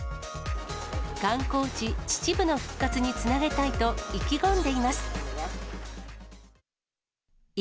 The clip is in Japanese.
観光地、秩父の復活につなげたいと、意気込んでいます。